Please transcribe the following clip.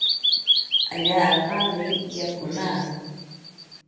Allaapami yakunaa.